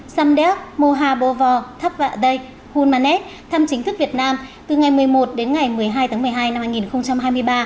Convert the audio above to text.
samdeok mohabovor thakvade hunmanet thăm chính thức việt nam từ ngày một mươi một đến ngày một mươi hai tháng một mươi hai năm hai nghìn hai mươi ba